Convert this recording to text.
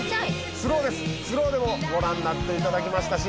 スローですスローでもご覧になっていただきましたし。